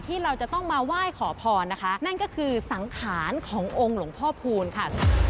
ที่เราจะต้องมาไหว้ขอพรนะคะนั่นก็คือสังขารขององค์หลวงพ่อพูนค่ะ